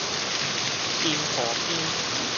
新廍邊